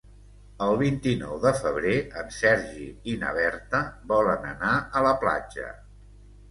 El vint-i-nou de febrer en Sergi i na Berta volen anar a la platja.